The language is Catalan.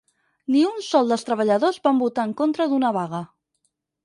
Ni un sol dels treballadors van votar en contra d'una vaga.